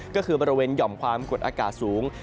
ก็คือบริเวณหย่อมความกดอากาศสูง